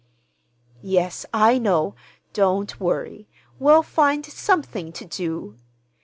"Yes, I know. Don't worry. We'll find something to do."